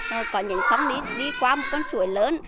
rồi có nhánh sông đi qua một con suối lớn